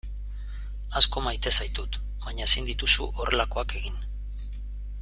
Asko maite zaitut baina ezin dituzu horrelakoak egin.